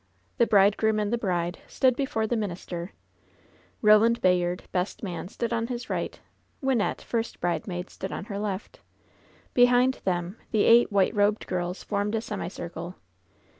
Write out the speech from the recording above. The bridegroom and the bride stood before the minis ter — ^Eoland Bayard, best man, stood on his right ; Wyn nette, first bridesmaid, stood on her left; behind them the eight white robed girls formed a semicircle.